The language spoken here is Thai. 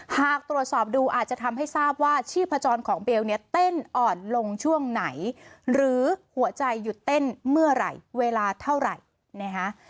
หากตรวจสอบดูอาจจะทำให้ทราบว่าชีพจรของเบลเนี่ยเต้นอ่อนลงช่วงไหนหรือหัวใจหยุดเต้นเมื่อไหร่เวลาเท่าไหร่นะฮะ